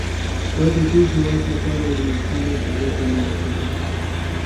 دا د دې هېواد لپاره یوه نېکمرغه دوره ګڼل کېده